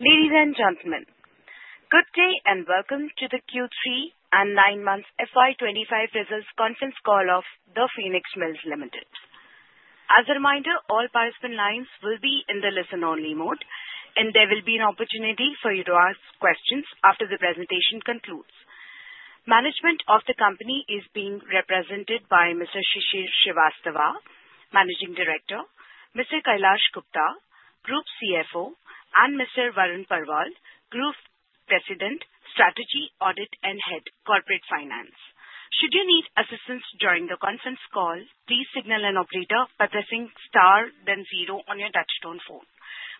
Ladies and gentlemen, good day and welcome to the Q3 and 9-month FY 2025 results conference call of The Phoenix Mills Limited. As a reminder, all participant lines will be in the listen-only mode, and there will be an opportunity for you to ask questions after the presentation concludes. Management of the company is being represented by Mr. Shishir Srivastava, Managing Director, Mr. Kailash Gupta, Group CFO, and Mr. Varun Parwal, Group President, Strategy, Audit, and Head, Corporate Finance. Should you need assistance during the conference call, please signal an operator by pressing star then zero on your touch-tone phone.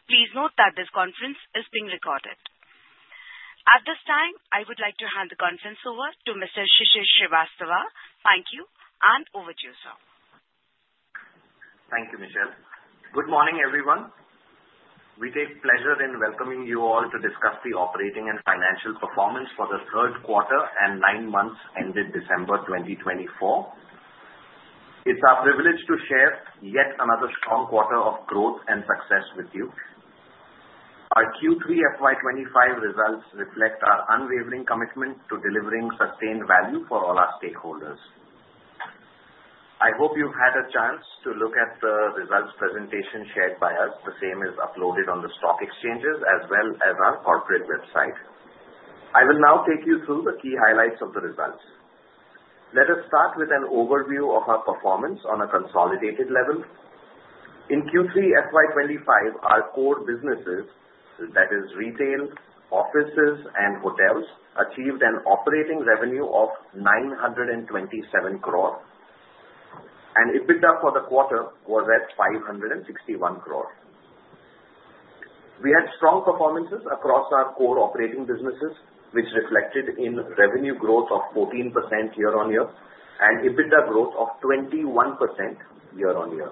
Please note that this conference is being recorded. At this time, I would like to hand the conference over to Mr. Shishir Srivastava. Thank you, and over to you, sir. Thank you, Michelle. Good morning, everyone. We take pleasure in welcoming you all to discuss the operating and financial performance for the third quarter and nine months ended December 2024. It's our privilege to share yet another strong quarter of growth and success with you. Our Q3 FY 2025 results reflect our unwavering commitment to delivering sustained value for all our stakeholders. I hope you've had a chance to look at the results presentation shared by us. The same is uploaded on the stock exchanges as well as our corporate website. I will now take you through the key highlights of the results. Let us start with an overview of our performance on a consolidated level. In Q3 FY 2025, our core businesses, that is, retail, offices, and hotels, achieved an operating revenue of 927 crore, and EBITDA for the quarter was at 561 crore. We had strong performances across our core operating businesses, which reflected in revenue growth of 14% year-on-year and EBITDA growth of 21% year-on-year.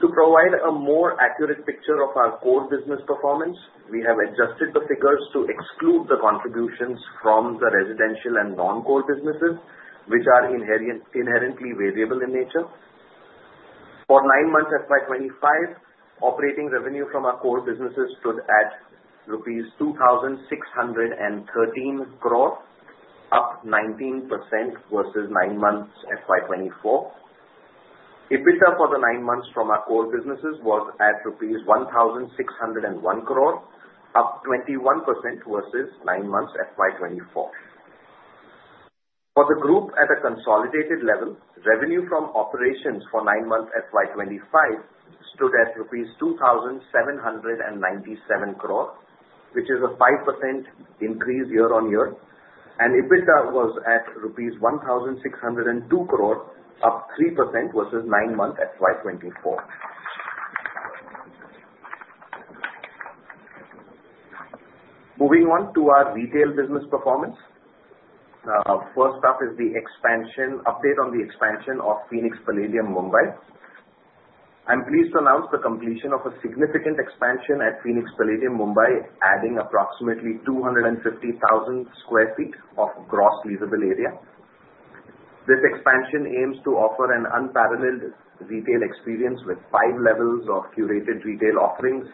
To provide a more accurate picture of our core business performance, we have adjusted the figures to exclude the contributions from the residential and non-core businesses, which are inherently variable in nature. For nine months FY 2025, operating revenue from our core businesses stood at rupees 2,613 crore, up 19% versus nine months FY 2024. EBITDA for the nine months from our core businesses was at rupees 1,601 crore, up 21% versus nine months FY 2024. For the group at a consolidated level, revenue from operations for nine months FY 2025 stood at rupees 2,797 crore, which is a 5% increase year-on-year, and EBITDA was at rupees 1,602 crore, up 3% versus nine months FY 2024. Moving on to our Retail business performance, first up is the expansion update on the expansion of Phoenix Palladium Mumbai. I'm pleased to announce the completion of a significant expansion at Phoenix Palladium Mumbai, adding approximately 250,000 sq ft of gross leasable area. This expansion aims to offer an unparalleled retail experience with five levels of curated retail offerings,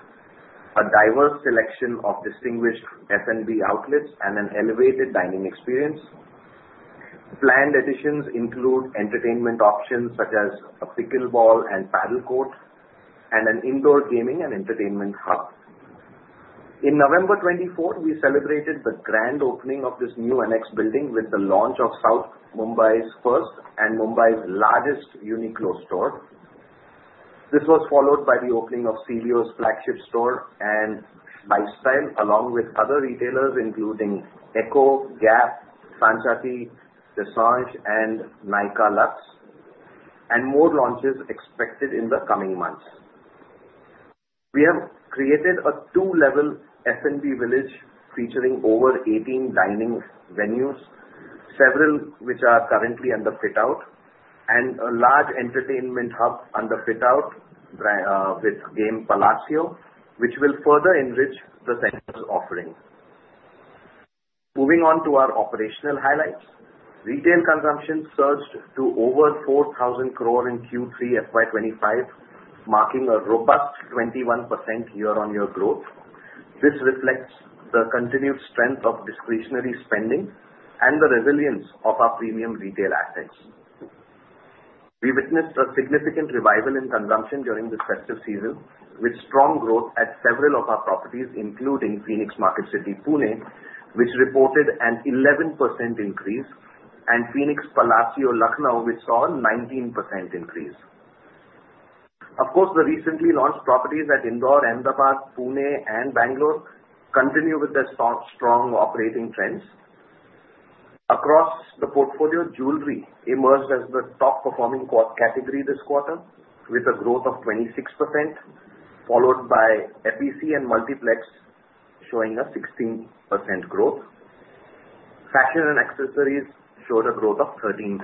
a diverse selection of distinguished F&B outlets, and an elevated dining experience. Planned additions include entertainment options such as a pickleball and padel court, and an indoor gaming and entertainment hub. In November 24, we celebrated the grand opening of this new annex building with the launch of South Mumbai's first and Mumbai's largest Uniqlo store. This was followed by the opening of Celio's flagship store and Lifestyle, along with other retailers including ECCO, Gap, Sephora, Dessange, and Nykaa Luxe, and more launches expected in the coming months. We have created a two-level F&B village featuring over 18 dining venues, several which are currently under fit-out, and a large entertainment hub under fit-out with Game Palacio, which will further enrich the center's offering. Moving on to our operational highlights, retail consumption surged to over 4,000 crore in Q3 FY 2025, marking a robust 21% year-on-year growth. This reflects the continued strength of discretionary spending and the resilience of our premium retail assets. We witnessed a significant revival in consumption during this festive season, with strong growth at several of our properties, including Phoenix Marketcity, Pune, which reported an 11% increase, and Phoenix Palassio, Lucknow, which saw a 19% increase. Of course, the recently launched properties at Indore, Ahmedabad, Pune, and Bangalore continue with their strong operating trends. Across the portfolio, jewelry emerged as the top-performing category this quarter, with a growth of 26%, followed by FEC and Multiplex, showing a 16% growth. Fashion and accessories showed a growth of 13%.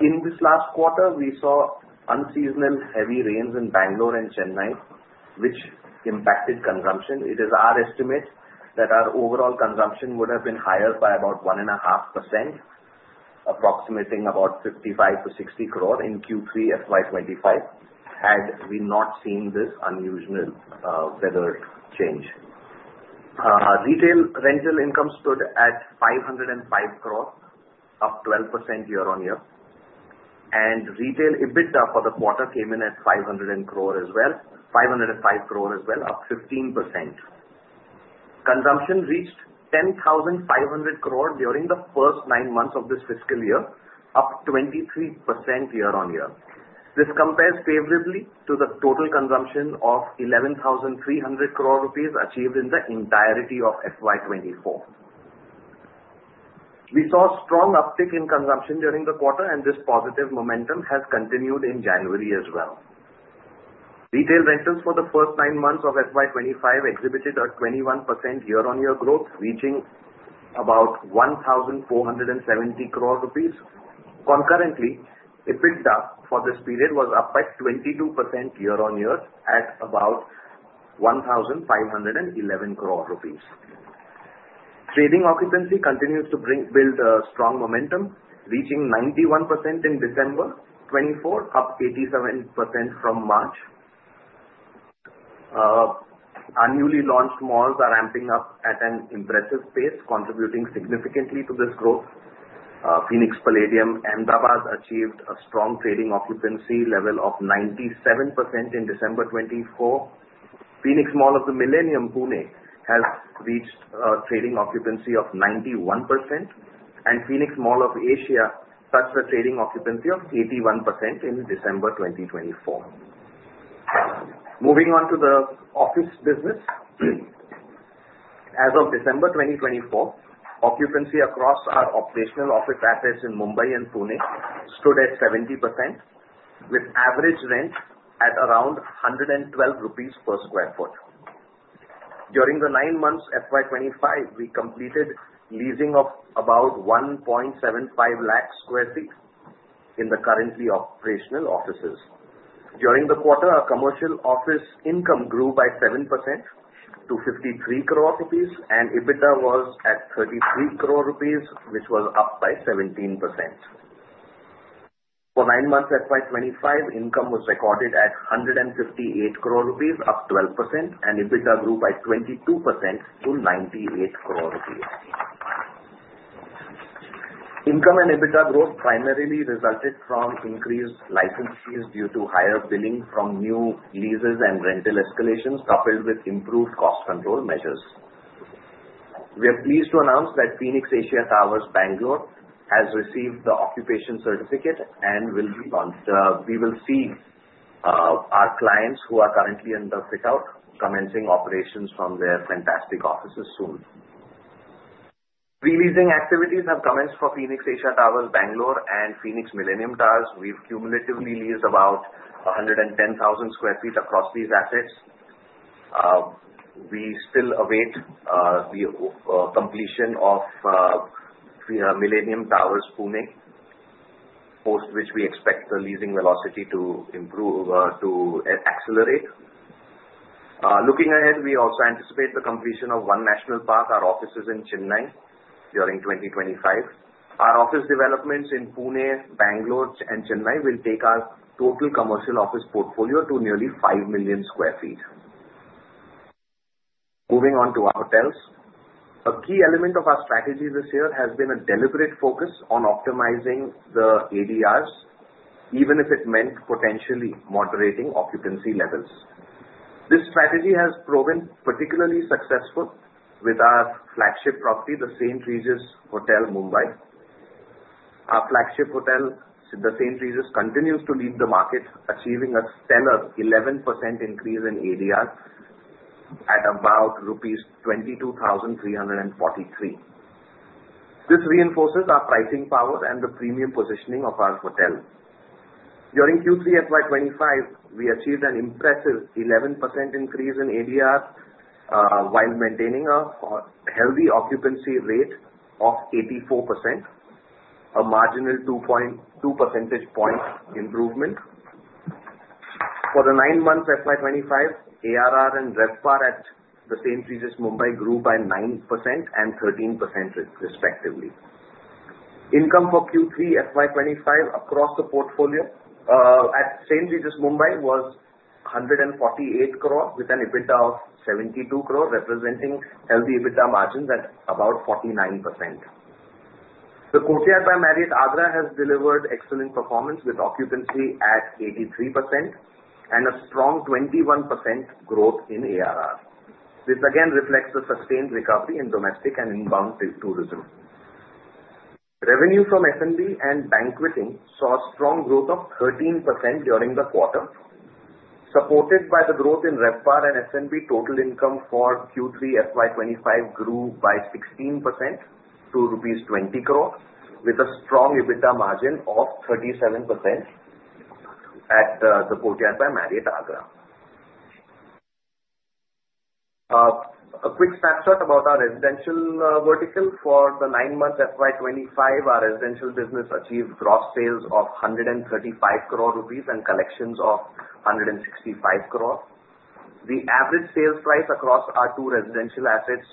In this last quarter, we saw unseasonal heavy rains in Bangalore and Chennai, which impacted consumption. It is our estimate that our overall consumption would have been higher by about 1.5%, approximating about 55-60 crore in Q3 FY 2025, had we not seen this unusual weather change. Retail rental income stood at 505 crore, up 12% year-on-year, and retail EBITDA for the quarter came in at 500 crore as well, 505 crore as well, up 15%. Consumption reached 10,500 crore during the first nine months of this fiscal year, up 23% year-on-year. This compares favorably to the total consumption of 11,300 crore rupees achieved in the entirety of FY 2024. We saw strong uptick in consumption during the quarter, and this positive momentum has continued in January as well. Retail rentals for the first nine months of FY 2025 exhibited a 21% year-on-year growth, reaching about 1,470 crore rupees. Concurrently, EBITDA for this period was up by 22% year-on-year at about 1,511 crore rupees. Trading occupancy continues to build a strong momentum, reaching 91% in December 2024, up 87% from March. Our newly launched malls are ramping up at an impressive pace, contributing significantly to this growth. Phoenix Palladium Ahmedabad achieved a strong trading occupancy level of 97% in December 2024. Phoenix Mall of the Millennium, Pune, has reached a trading occupancy of 91%, and Phoenix Mall of Asia touched a trading occupancy of 81% in December 2024. Moving on to the Office business, as of December 2024, occupancy across our operational office assets in Mumbai and Pune stood at 70%, with average rent at around 112 rupees per sq ft. During the nine months FY 2025, we completed leasing of about 1.75 lakh sq ft in the currently operational offices. During the quarter, our commercial office income grew by 7% to 53 crore rupees, and EBITDA was at 33 crore rupees, which was up by 17%. For nine months FY 2025, income was recorded at 158 crore rupees, up 12%, and EBITDA grew by 22% to 98 crore rupees. Income and EBITDA growth primarily resulted from increased license fees due to higher billing from new leases and rental escalations, coupled with improved cost control measures. We are pleased to announce that Phoenix Asia Towers, Bangalore, has received the occupation certificate and will see our clients who are currently under fit-out commencing operations from their fantastic offices soon. Pre-leasing activities have commenced for Phoenix Asia Towers, Bangalore, and Phoenix Millennium Towers. We've cumulatively leased about 110,000 sq ft across these assets. We still await the completion of Millennium Towers, Pune, post which we expect the leasing velocity to accelerate. Looking ahead, we also anticipate the completion of One National Park, our offices in Chennai, during 2025. Our office developments in Pune, Bangalore, and Chennai will take our total commercial office portfolio to nearly 5 million sq ft. Moving on to our hotels, a key element of our strategy this year has been a deliberate focus on optimizing the ADRs, even if it meant potentially moderating occupancy levels. This strategy has proven particularly successful with our flagship property, the St. Regis Hotel, Mumbai. Our flagship hotel, the St. Regis, continues to lead the market, achieving a stellar 11% increase in ADR at about rupees 22,343. This reinforces our pricing power and the premium positioning of our hotel. During Q3 FY 2025, we achieved an impressive 11% increase in ADRs while maintaining a healthy occupancy rate of 84%, a marginal 2% improvement. For the nine months FY 2025, ARR and RevPAR at the St. Regis, Mumbai grew by 9% and 13%, respectively. Income for Q3 FY 2025 across the portfolio at St. Regis, Mumbai was 148 crore, with an EBITDA of 72 crore, representing healthy EBITDA margins at about 49%. The Courtyard by Marriott Agra has delivered excellent performance with occupancy at 83% and a strong 21% growth in ARR, which again reflects the sustained recovery in domestic and inbound tourism. Revenue from F&B and banqueting saw a strong growth of 13% during the quarter, supported by the growth in RevPAR and F&B. Total income for Q3 FY 2025 grew by 16% to 20 crore rupees, with a strong EBITDA margin of 37% at the Courtyard by Marriott Agra. A quick snapshot about our residential vertical. For the nine months FY 2025, our Residential business achieved gross sales of 135 crore rupees and collections of 165 crore. The average sales price across our two residential assets,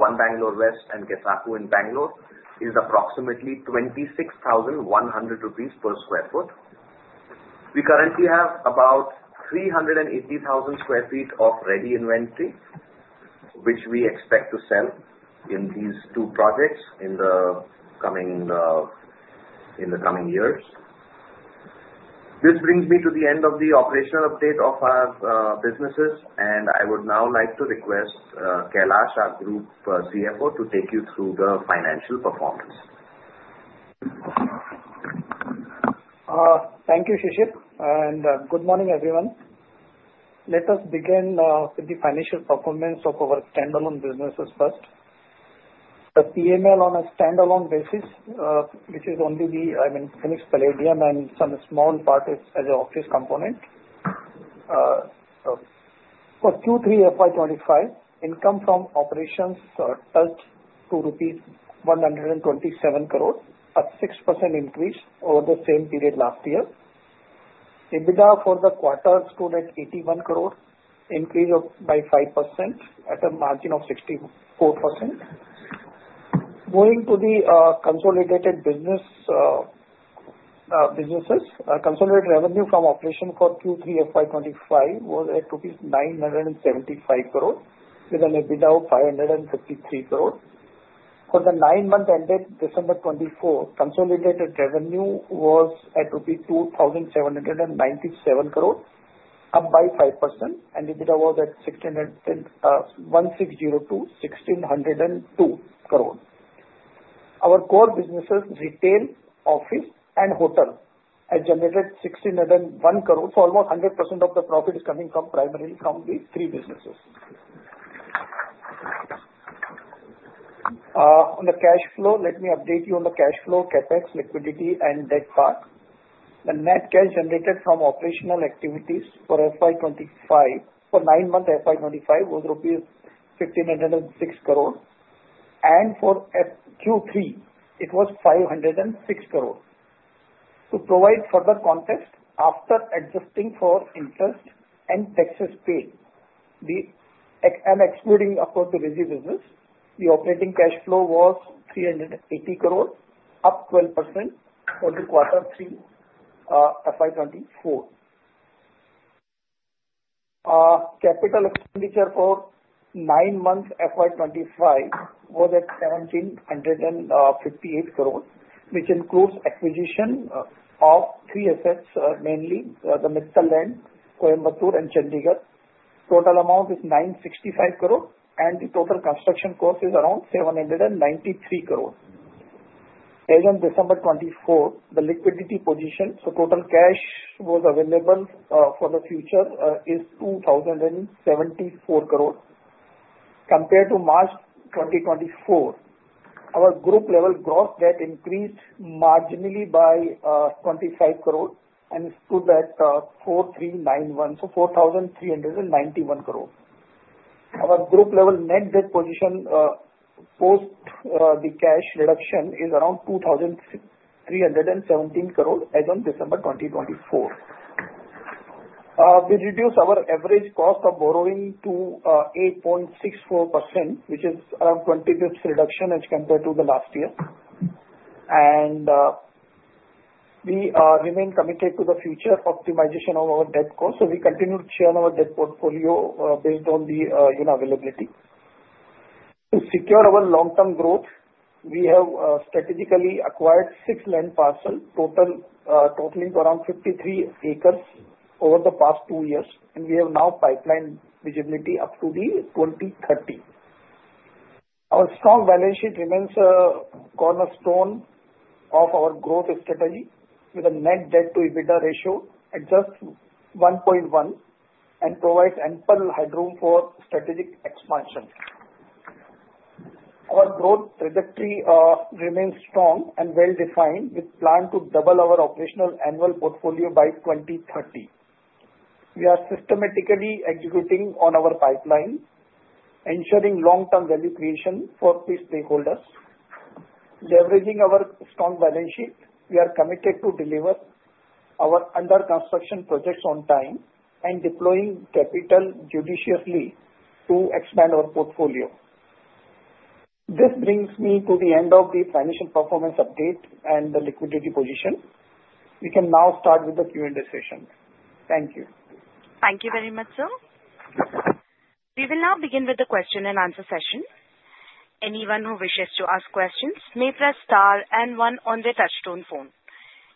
One Bangalore West and Kessaku in Bangalore, is approximately 26,100 rupees per sq ft. We currently have about 380,000 sq ft of ready inventory, which we expect to sell in these two projects in the coming years. This brings me to the end of the operational update of our businesses, and I would now like to request Kailash, our group CFO, to take you through the financial performance. Thank you, Shishir, and good morning, everyone. Let us begin with the financial performance of our standalone businesses first. The P&L on a standalone basis, which is only the, I mean, Phoenix Palladium and some small properties as an office component. For Q3 FY 2025, income from operations touched rupees 127 crore, a 6% increase over the same period last year. EBITDA for the quarter stood at 81 crore, increased by 5% at a margin of 64%. Going to the consolidated businesses, consolidated revenue from operation for Q3 FY 2025 was at INR 975 crore, with an EBITDA of INR 553 crore. For the nine months ended December 24, consolidated revenue was at rupees 2,797 crore, up by 5%, and EBITDA was at 1,602 crore. Our core businesses, retail, office, and hotel, have generated 1,601 crore. So almost 100% of the profit is coming primarily from the three businesses. On the cash flow, let me update you on the cash flow, CapEx, liquidity, and debt part. The net cash generated from operational activities for FY 2025, for nine months FY 2025, was rupees 1,506 crore, and for Q3, it was 506 crore. To provide further context, after adjusting for interest and taxes paid, I'm excluding, of course, the residential business, the operating cash flow was 380 crore, up 12% for the quarter three FY 2024. Capital expenditure for nine months FY 2025 was at 1,758 crore, which includes acquisition of three assets, mainly the Mittal land, Coimbatore, and Chandigarh. Total amount is 965 crore, and the total construction cost is around 793 crore. As of December 24, the liquidity position, so total cash was available for the future, is 2,074 crore. Compared to March 2024, our group level gross debt increased marginally by 25 crore and stood at 4,391, so 4,391 crore. Our group level net debt position post the cash reduction is around 2,317 crore as of December 2024. We reduced our average cost of borrowing to 8.64%, which is around 25 basis points reduction as compared to the last year. And we remain committed to the future optimization of our debt cost, so we continue to churn our debt portfolio based on the availability. To secure our long-term growth, we have strategically acquired six land parcels, totaling around 53 acres over the past two years, and we have now pipeline visibility up to the 2030. Our strong balance sheet remains a cornerstone of our growth strategy, with a net debt to EBITDA ratio at just 1.1 and provides ample headroom for strategic expansion. Our growth trajectory remains strong and well-defined, with a plan to double our operational annual portfolio by 2030. We are systematically executing on our pipeline, ensuring long-term value creation for key stakeholders. Leveraging our strong balance sheet, we are committed to deliver our under-construction projects on time and deploying capital judiciously to expand our portfolio. This brings me to the end of the financial performance update and the liquidity position. We can now start with the Q&A session. Thank you. Thank you very much, sir. We will now begin with the question and answer session. Anyone who wishes to ask questions may press star and one on the touch-tone phone.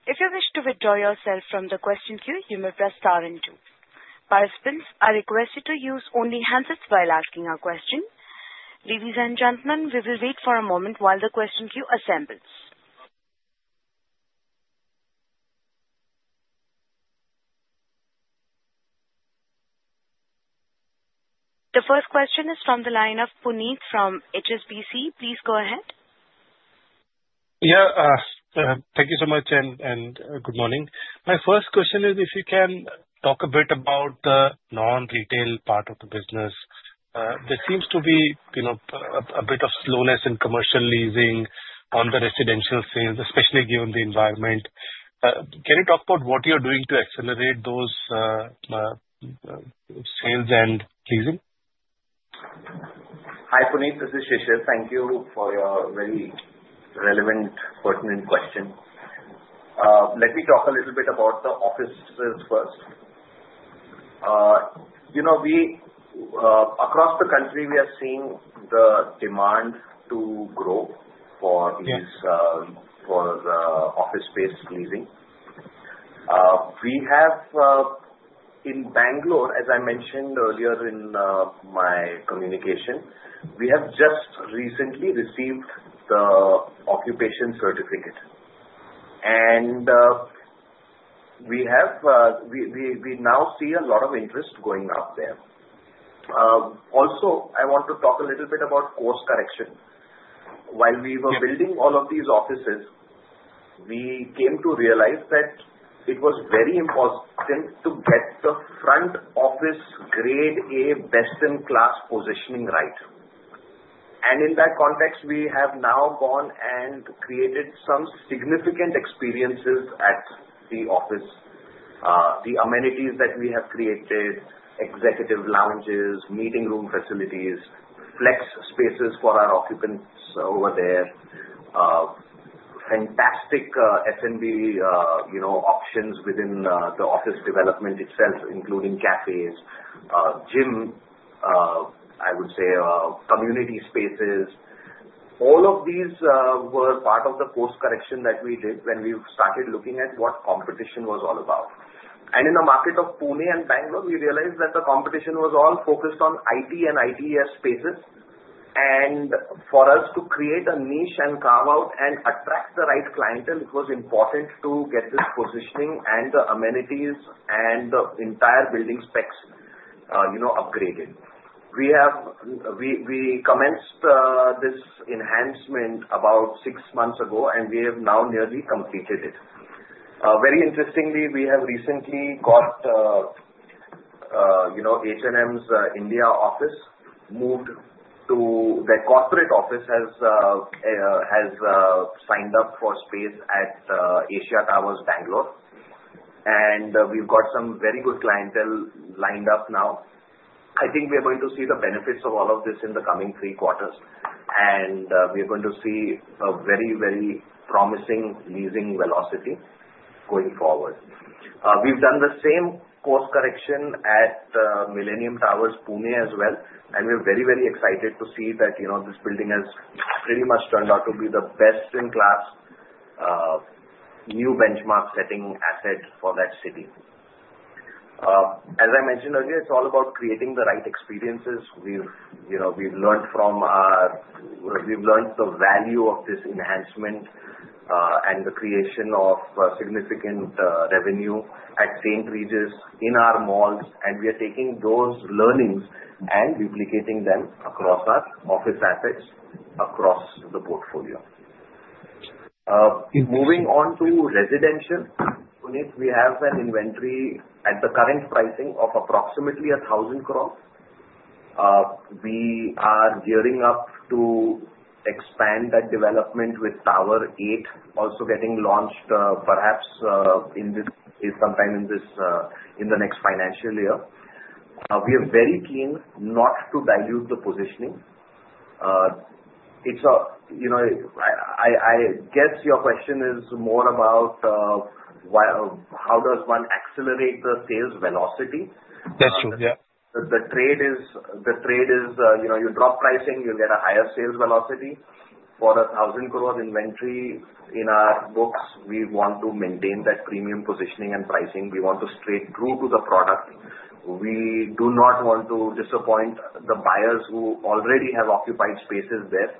If you wish to withdraw yourself from the question queue, you may press star and two. Participants, I request you to use only handsets while asking a question. Ladies and gentlemen, we will wait for a moment while the question queue assembles. The first question is from the line of Puneet from HSBC. Please go ahead. Yeah, thank you so much and good morning. My first question is, if you can talk a bit about the non-retail part of the business. There seems to be a bit of slowness in commercial leasing on the residential sales, especially given the environment. Can you talk about what you're doing to accelerate those sales and leasing? Hi, Puneet. This is Shishir. Thank you for your very relevant, pertinent question. Let me talk a little bit about the offices first. Across the country, we are seeing the demand to grow for office-based leasing. In Bangalore, as I mentioned earlier in my communication, we have just recently received the occupation certificate, and we now see a lot of interest going up there. Also, I want to talk a little bit about course correction. While we were building all of these offices, we came to realize that it was very important to get the front office Grade A, best-in-class positioning right, and in that context, we have now gone and created some significant experiences at the office. The amenities that we have created, executive lounges, meeting room facilities, flex spaces for our occupants over there, fantastic F&B options within the office development itself, including cafes, gym, I would say, community spaces. All of these were part of the course correction that we did when we started looking at what competition was all about, and in the market of Pune and Bangalore, we realized that the competition was all focused on IT and ITS spaces, and for us to create a niche and carve out and attract the right clientele, it was important to get this positioning and the amenities and the entire building specs upgraded. We commenced this enhancement about six months ago, and we have now nearly completed it. Very interestingly, we have recently got H&M's India head office signed up for space at Phoenix Asia Towers, Bangalore. We’ve got some very good clientele lined up now. I think we are going to see the benefits of all of this in the coming three quarters, and we are going to see a very, very promising leasing velocity going forward. We’ve done the same course correction at Millennium Towers, Pune as well, and we’re very, very excited to see that this building has pretty much turned out to be the best-in-class new benchmark-setting asset for that city. As I mentioned earlier, it’s all about creating the right experiences. We’ve learned the value of this enhancement and the creation of significant revenue at St. Regis in our malls, and we are taking those learnings and duplicating them across our office assets, across the portfolio. Moving on to residential, Puneeth, we have an inventory at the current pricing of approximately 1,000 crore. We are gearing up to expand that development with Tower 8, also getting launched perhaps in this sometime in the next financial year. We are very keen not to dilute the positioning. I guess your question is more about how does one accelerate the sales velocity. That's true, yeah. The trade is you drop pricing, you get a higher sales velocity. For 1,000 crore inventory in our books, we want to maintain that premium positioning and pricing. We want to straight through to the product. We do not want to disappoint the buyers who already have occupied spaces there,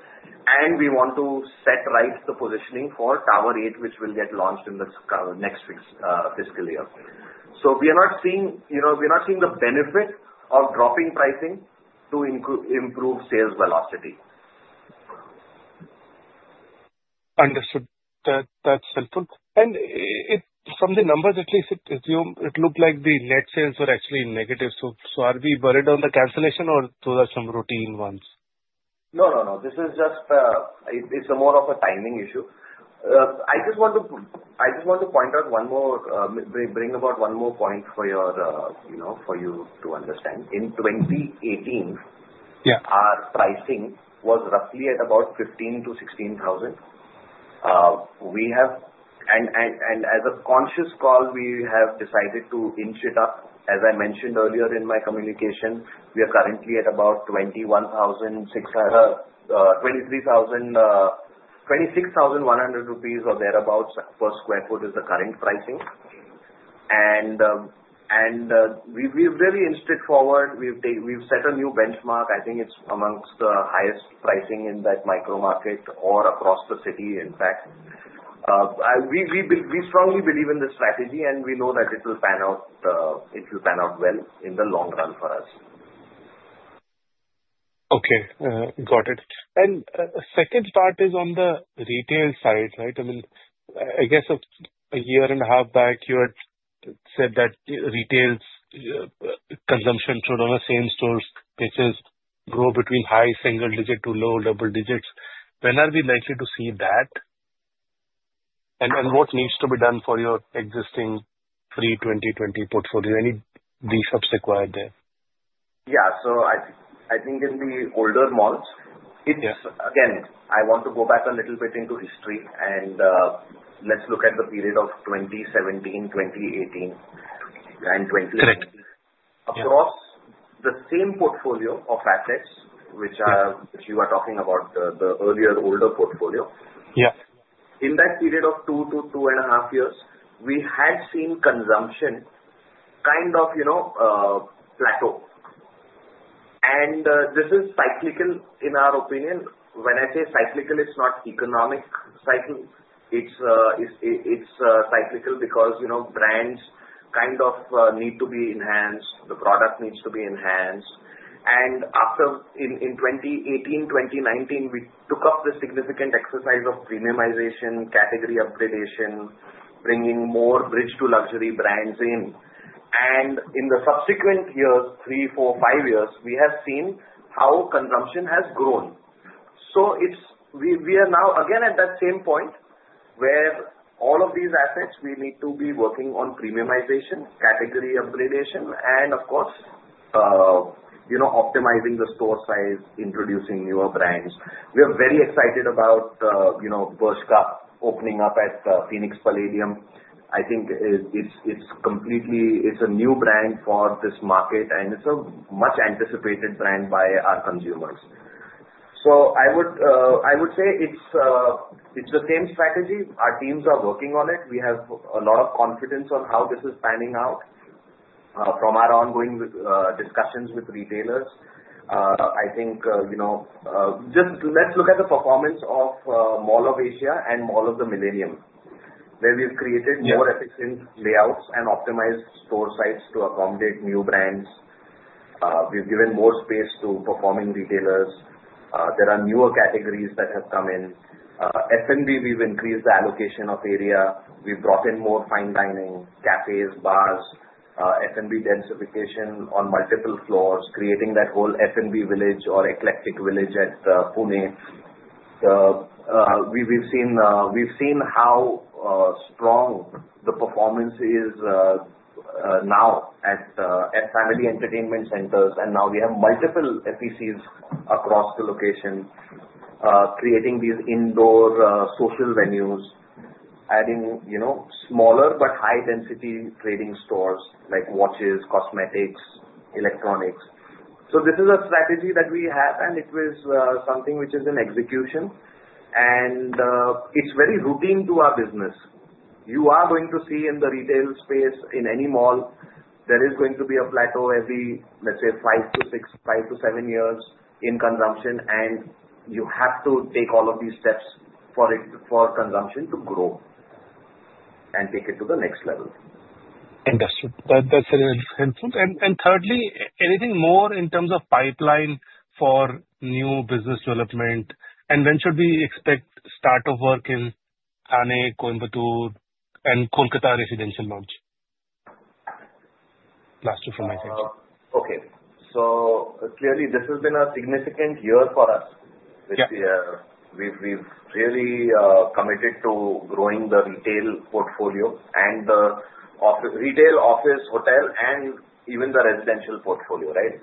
and we want to set right the positioning for Tower 8, which will get launched in the next fiscal year. So we are not seeing the benefit of dropping pricing to improve sales velocity. Understood. That's helpful. And from the numbers, at least, it looked like the net sales were actually negative. So are we worried about the cancellation or those are some routine ones? No, no, no. This is just, it's more of a timing issue. I just want to point out one more bring up one more point for you to understand. In 2018, our pricing was roughly at about 15,000-16,000, and as a conscious call, we have decided to inch it up. As I mentioned earlier in my communication, we are currently at about 23,100 rupees or thereabouts per sq ft is the current pricing, and we've really inched it forward. We've set a new benchmark. I think it's amongst the highest pricing in that micro market or across the city, in fact. We strongly believe in the strategy, and we know that it will pan out well in the long run for us. Okay. Got it. And the second part is on the retail side, right? I mean, I guess a year and a half back, you had said that retail's consumption showed on the same stores, which has grown between high single digit to low double digits. When are we likely to see that? And what needs to be done for your existing pre-2020 portfolio? Any reshops required there? Yeah. So I think in the older malls, it's again, I want to go back a little bit into history, and let's look at the period of 2017, 2018, and 2019. Correct. Across the same portfolio of assets, which you are talking about, the earlier, older portfolio, in that period of two to two and a half years, we had seen consumption kind of plateau. And this is cyclical, in our opinion. When I say cyclical, it's not economic cycle. It's cyclical because brands kind of need to be enhanced. The product needs to be enhanced. And in 2018, 2019, we took up the significant exercise of premiumization, category upgradation, bringing more bridge-to-luxury brands in. And in the subsequent years, three, four, five years, we have seen how consumption has grown. So we are now again at that same point where all of these assets, we need to be working on premiumization, category upgradation, and, of course, optimizing the store size, introducing newer brands. We are very excited about Bershka opening up at Phoenix Palladium. I think it's completely a new brand for this market, and it's a much-anticipated brand by our consumers. I would say it's the same strategy. Our teams are working on it. We have a lot of confidence on how this is panning out from our ongoing discussions with retailers. I think just let's look at the performance of Mall of Asia and Mall of the Millennium, where we've created more efficient layouts and optimized store sites to accommodate new brands. We've given more space to performing retailers. There are newer categories that have come in. F&B, we've increased the allocation of area. We've brought in more fine dining, cafes, bars, F&B densification on multiple floors, creating that whole F&B village or Eclectic Village at Pune. We've seen how strong the performance is now at family entertainment centers, and now we have multiple FECs across the location, creating these indoor social venues, adding smaller but high-density trading stores like watches, cosmetics, electronics. So this is a strategy that we have, and it was something which is in execution, and it's very routine to our business. You are going to see in the retail space, in any mall, there is going to be a plateau every, let's say, five to six, five to seven years in consumption, and you have to take all of these steps for consumption to grow and take it to the next level. Understood. That's very helpful. And thirdly, anything more in terms of pipeline for new business development? And when should we expect start of work in Thane, Coimbatore, and Kolkata residential launch? Last two from my side. Okay. So clearly, this has been a significant year for us, which we've really committed to growing the retail portfolio and the retail office, hotel, and even the residential portfolio, right?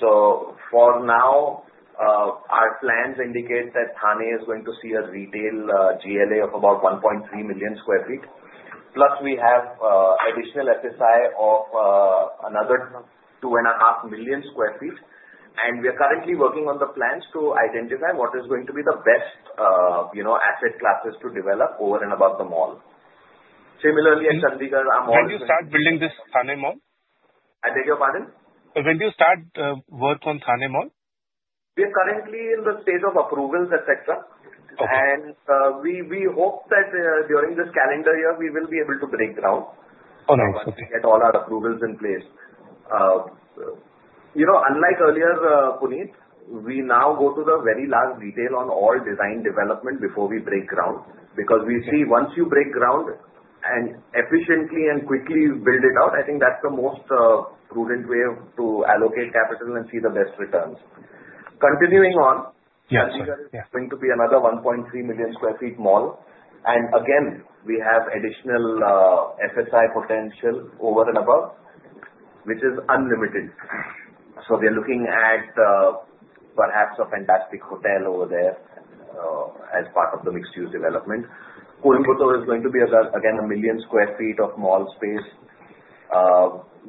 So for now, our plans indicate that Thane is going to see a retail GLA of about 1.3 million sq ft. Plus, we have additional FSI of another 2.5 million sq ft, and we are currently working on the plans to identify what is going to be the best asset classes to develop over and above the mall. Similarly, at Chandigarh, our mall is. When do you start building this Thane Mall? I beg your pardon? When do you start work on Thane Mall? We're currently in the stage of approvals, etc., and we hope that during this calendar year, we will be able to break ground. Oh, nice. Okay. And get all our approvals in place. Unlike earlier, Puneet, we now go to the very last detail on all design development before we break ground because we see once you break ground and efficiently and quickly build it out. I think that's the most prudent way to allocate capital and see the best returns. Continuing on, Chandigarh is going to be another 1.3 million sq ft mall, and again, we have additional FSI potential over and above, which is unlimited, so we are looking at perhaps a fantastic hotel over there as part of the mixed-use development. Coimbatore is going to be again 1 million sq ft of mall space.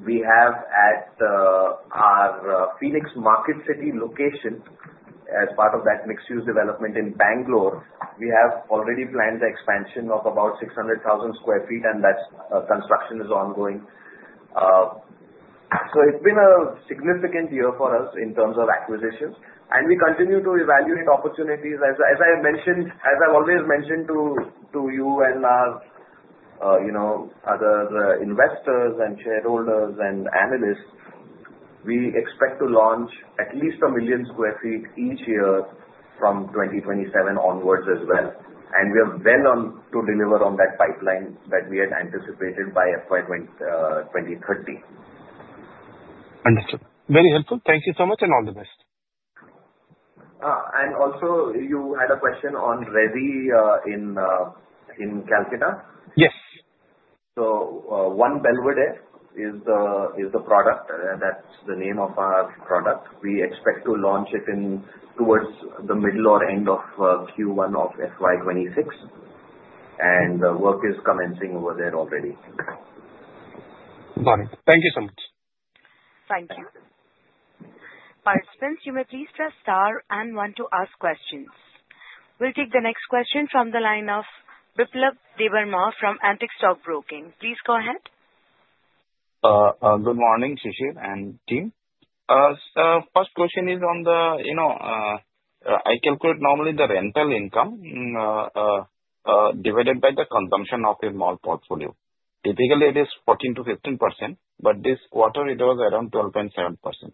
We have at our Phoenix Market City location, as part of that mixed-use development in Bangalore, we have already planned the expansion of about 600,000 sq ft, and that construction is ongoing. So it's been a significant year for us in terms of acquisitions, and we continue to evaluate opportunities. As I mentioned, as I've always mentioned to you and our other investors and shareholders and analysts, we expect to launch at least a million sq ft each year from 2027 onwards as well, and we are well on to deliver on that pipeline that we had anticipated by FY 2030. Understood. Very helpful. Thank you so much and all the best. Also, you had a question on the residential in Kolkata? Yes. So One Belvedere is the product. That's the name of our product. We expect to launch it towards the middle or end of Q1 of FY 26, and the work is commencing over there already. Got it. Thank you so much. Thank you. Participants, you may please press star and one to ask questions. We'll take the next question from the line of Biplab Debbarma from Antique Stock Broking. Please go ahead. Good morning, Shishir and team. First question is on the ratio I calculate normally the rental income divided by the consumption of a mall portfolio. Typically, it is 14%-15%, but this quarter, it was around 12.7%.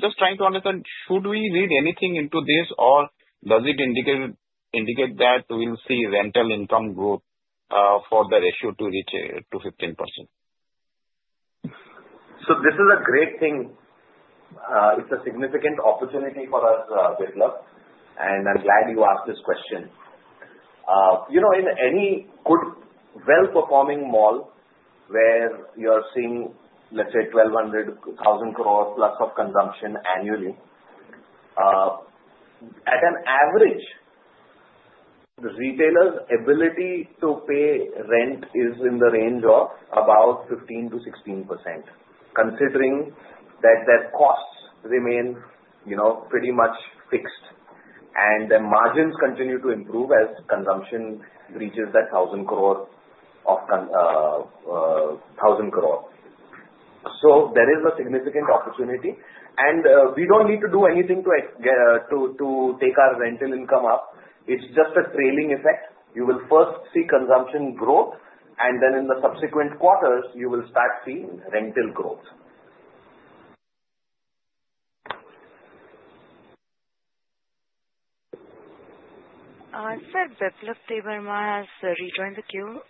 Just trying to understand, should we read anything into this, or does it indicate that we'll see rental income growth for the ratio to reach to 15%? So this is a great thing. It's a significant opportunity for us, Biplab, and I'm glad you asked this question. In any good, well-performing mall where you're seeing, let's say, 1,200,000+ of consumption annually, at an average, the retailer's ability to pay rent is in the range of about 15%-16%, considering that their costs remain pretty much fixed and their margins continue to improve as consumption reaches that 1,000 crore. So there is a significant opportunity, and we don't need to do anything to take our rental income up. It's just a trailing effect. You will first see consumption growth, and then in the subsequent quarters, you will start seeing rental growth. Sir Biplab Debbarma has rejoined the queue.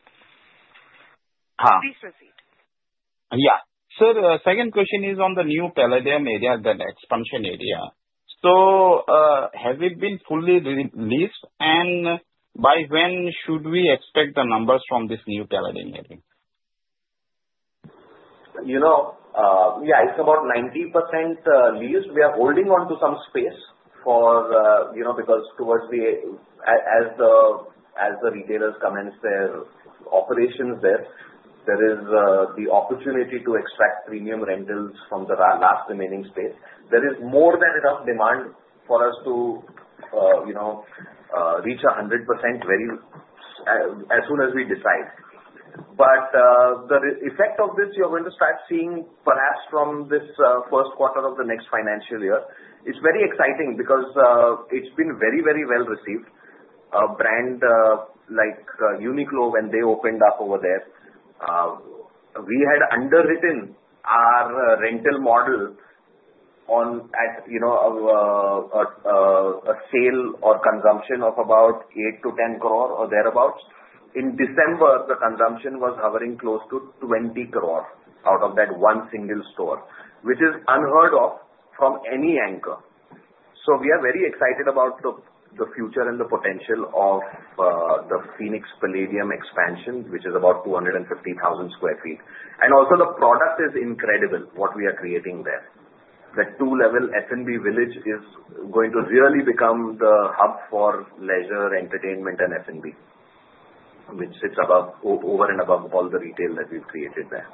Huh? Please proceed. Yeah. Sir, the second question is on the new Palladium area, the expansion area. So has it been fully leased, and by when should we expect the numbers from this new Palladium area? Yeah. It's about 90% leased. We are holding on to some space because, as the retailers commence their operations there, there is the opportunity to extract premium rentals from the last remaining space. There is more than enough demand for us to reach 100% very as soon as we decide. But the effect of this, you're going to start seeing perhaps from this first quarter of the next financial year. It's very exciting because it's been very, very well received. A brand like Uniqlo, when they opened up over there, we had underwritten our rental model on a sale or consumption of about 8-10 crore or thereabouts. In December, the consumption was hovering close to 20 crore out of that one single store, which is unheard of from any anchor. So we are very excited about the future and the potential of the Phoenix Palladium expansion, which is about 250,000 sq ft. And also, the product is incredible, what we are creating there. The two-level F&B village is going to really become the hub for leisure, entertainment, and F&B, which sits over and above all the retail that we've created there.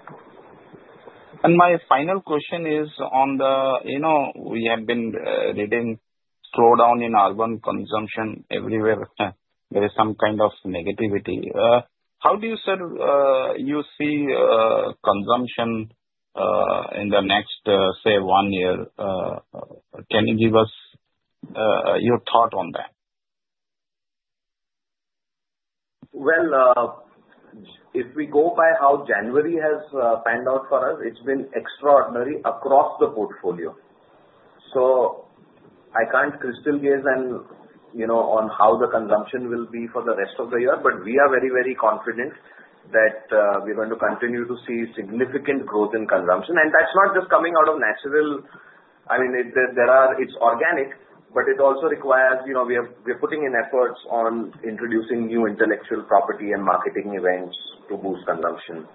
My final question is on the, we have been reading, slowdown in urban consumption everywhere. There is some kind of negativity. How do you, Sir, see consumption in the next, say, one year? Can you give us your thought on that? If we go by how January has panned out for us, it's been extraordinary across the portfolio. I can't crystallize on how the consumption will be for the rest of the year, but we are very, very confident that we're going to continue to see significant growth in consumption. That's not just coming out of natural. I mean, it's organic, but it also requires we are putting in efforts on introducing new intellectual property and marketing events to boost consumption.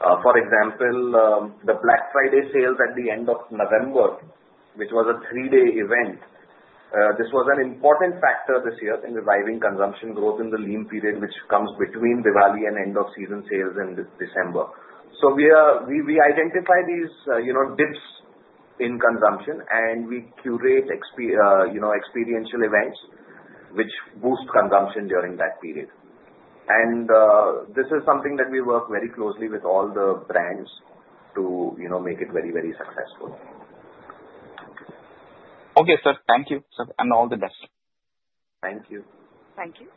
For example, the Black Friday sales at the end of November, which was a three-day event, this was an important factor this year in reviving consumption growth in the lean period, which comes between Diwali and end-of-season sales in December. We identify these dips in consumption, and we curate experiential events which boost consumption during that period. This is something that we work very closely with all the brands to make it very, very successful. Okay, Sir. Thank you, Sir, and all the best. Thank you. Thank you.